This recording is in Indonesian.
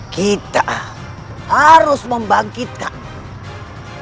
kita harus membangkitkan pemberontak pemberontak di masa lalu